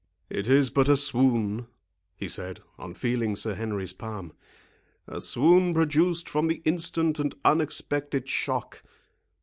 "It is but a swoon," he said, on feeling Sir Henry's palm; "a swoon produced from the instant and unexpected shock.